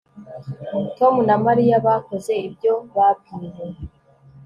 Tom na Mariya bakoze ibyo babwiwe